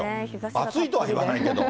暑いとは言わないけど。